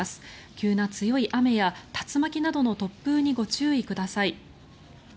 急な強い雨や竜巻などの突風にご注意ください。